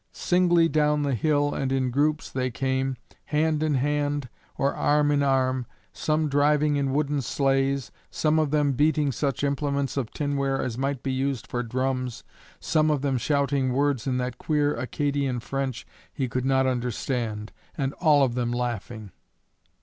Singly down the hill, and in groups, they came, hand in hand or arm in arm, some driving in wooden sleighs, some of them beating such implements of tinware as might be used for drums, some of them shouting words in that queer Acadian French he could not understand, and all of them laughing.